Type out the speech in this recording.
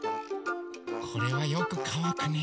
これはよくかわくね。